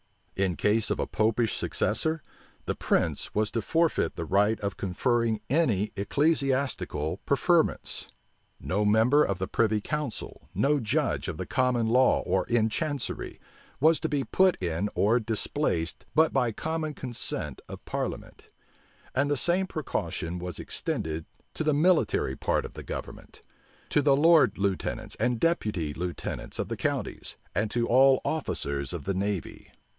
In case of a Popish successor, the prince was to forfeit the right of conferring any ecclesiastical preferments: no member of the privy council, no judge of the common law or in chancery, was to be put in or displaced but by consent of parliament: and the same precaution was extended to the military part of the government; to the lord lieutenants and deputy lieutenants of the counties, and to all officers of the navy.